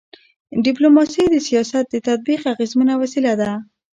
ډيپلوماسي د سیاست د تطبیق اغيزمنه وسیله ده.